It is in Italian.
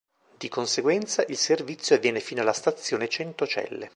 Di conseguenza il servizio avviene fino alla stazione Centocelle.